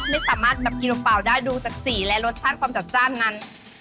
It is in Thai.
ไม่สามารถแบบกินเปล่าได้ดูจากสีและรสชาติความจัดจ้านนั้น